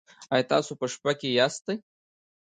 ایا تاسو په شپه کې یاست؟